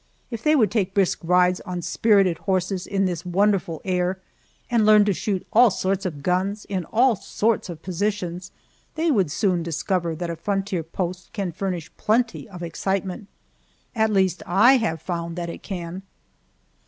If they would take brisk rides on spirited horses in this wonderful air, and learn to shoot all sorts of guns in all sorts of positions, they would soon discover that a frontier post can furnish plenty of excitement. At least, I have found that it can.